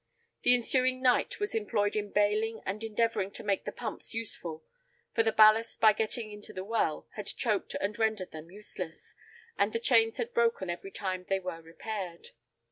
The ensuing night was employed in bailing and endeavoring to make the pumps useful, for the ballast by getting into the well, had choked and rendered them useless, and the chains had broken every time they were repaired.